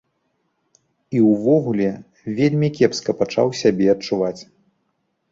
І ўвогуле, вельмі кепска пачаў сябе адчуваць.